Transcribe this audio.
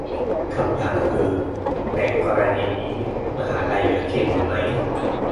คำถามคือ ในกรณีนี้มหาลัยเหลือเกียรติอยู่ไหม ?